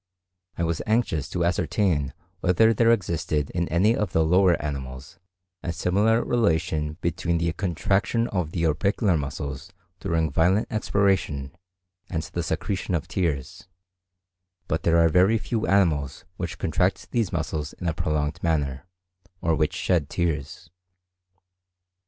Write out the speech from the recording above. I was anxious to ascertain whether there existed in any of the lower animals a similar relation between the contraction of the orbicular muscles during violent expiration and the secretion of tears; but there are very few animals which contract these muscles in a prolonged manner, or which shed tears.